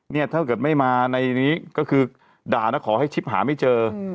ถ้าเกิดไม่มาในนี้ก็คือด่านะขอให้ชิปหาไม่เจอ